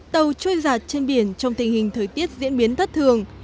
tàu trôi giặt trên biển trong tình hình thời tiết diễn biến thất thường